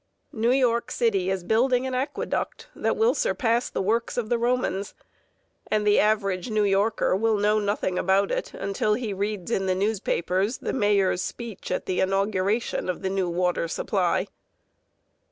New York City is building an aqueduct that will surpass the works of the Romans, and the average New Yorker will know nothing about it until he reads in the newspapers the mayor's speech at the inauguration of the new water supply.